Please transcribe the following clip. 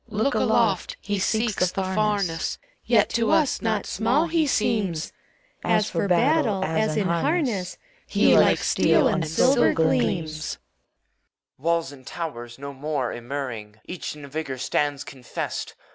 CHORUS. Look aloft! he seeks the FamesB, Yet to us not small he seems. As for battle, as in harness, He like steel and silver gleams. EUPHORION. Walls and towers no more immuring. Each in vigor stands confessed!